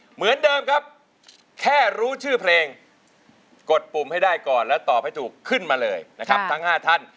เหมือนเดิมครับแค่รู้ชื่อเพลงกดปุ่มให้ได้ก่อนแล้วตอบให้ถูกขึ้นมาเลยนะครับทั้ง๕ท่าน